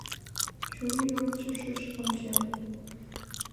Чурийончышыш ончен